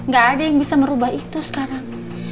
gak ada yang bisa merubah itu sekarang